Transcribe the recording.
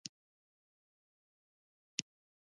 ډيپلومات خپله زما مېز ته راغی.